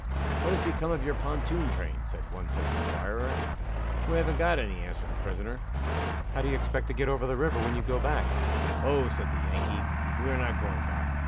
"What has become of your pontoon train?" said one such inquirer. "We haven't got any," answered the prisoner. "How do you expect to get over the river when you go back?" "Oh," said the Yankee, "we are not going back.